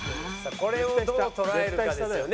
これをどう捉えるかですよね